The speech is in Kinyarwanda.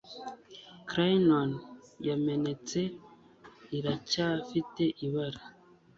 Crayons yamenetse iracyafite ibara.